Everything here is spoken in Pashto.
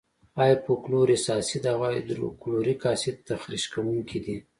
هایپو کلورس اسید او هایدروکلوریک اسید تخریش کوونکي دي.